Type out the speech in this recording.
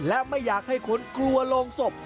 และไม่อยากให้คนกลัวโรงศพ